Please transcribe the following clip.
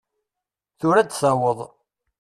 Tura ad d-taweḍ.